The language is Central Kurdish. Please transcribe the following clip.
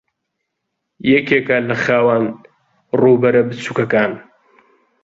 یەکێکە لە خاوەن ڕووبەرە بچووکەکان